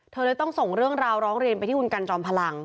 เธอเลยต้องส่งเรื่องราวร้องเรียนไปที่คุณกันจอมพลัง